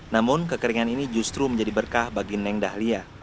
namun kekeringan ini justru menjadi berkah bagi neng dahlia